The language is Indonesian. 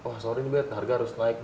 wah sorry bet harga harus naik